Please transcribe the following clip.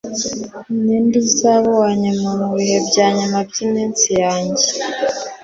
Ninde uzaba uwanyuma mubihe byanyuma byiminsi yanjye